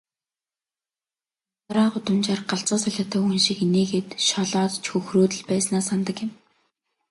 Ганцаараа гудамжаар галзуу солиотой хүн шиг инээгээд, шоолоод ч хөхрөөд л байснаа санадаг юм.